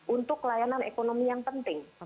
untuk layanan ekonomi yang penting